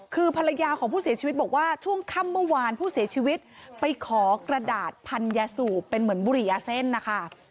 คือภรรยาของผู้เสียชีวิตบอกว่าช่วงค่ำเมื่อวานผู้เสียชีวิตไปขอกระดาษพันยาสูบเป็นเหมือนบุหรี่ยาเส้นนะคะ